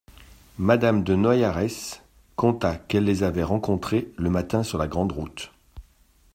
Madame de Noares conta qu'elle les avait rencontrés le matin sur la grande route.